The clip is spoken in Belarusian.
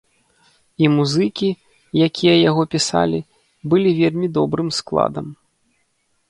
І музыкі, якія яго пісалі, былі вельмі добрым складам.